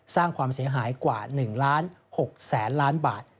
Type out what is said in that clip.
สร้างความเสียหายกว่า๑๖๐๐๐๐๐บาท